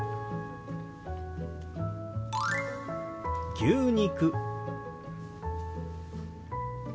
「牛肉」。